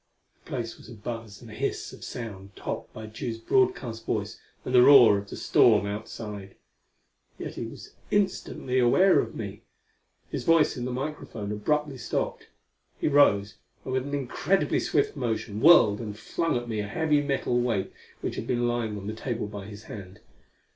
The place was a buzz and hiss of sound topped by Tugh's broadcast voice and the roar of the storm outside yet he was instantly aware of me! His voice in the microphone abruptly stopped; he rose and with an incredibly swift motion whirled and flung at me a heavy metal weight which had been lying on the table by his hand.